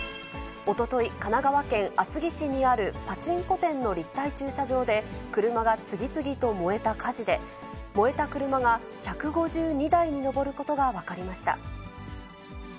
おととい、神奈川県厚木市にあるパチンコ店の立体駐車場で車が次々と燃えた火事で、燃えた車が１５２台に上ることが分かりました。